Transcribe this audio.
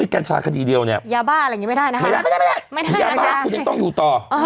ไม่ได้ยาบ้านคุณยังต้องอยู่ต่อ